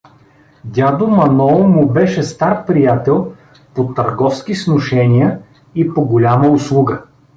Дядо Манол му беше стар приятел по търговски сношения и по голяма услуга.